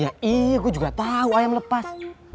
iya iya gua juga tahu ayam lepas